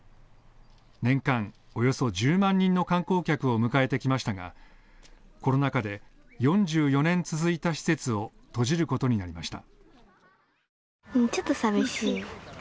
年間およそ１０万人の観光客を迎えてきましたがコロナ禍で４４年続いた施設を閉じることになりました。